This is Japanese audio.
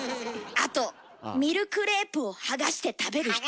あとミルクレープを剥がして食べる人。